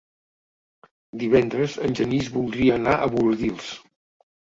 Divendres en Genís voldria anar a Bordils.